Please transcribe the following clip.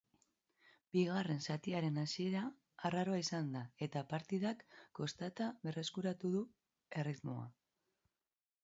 Bigarren zatiaren hasiera arraroa izan da eta partidak kostata berreskuratu du erritmoa.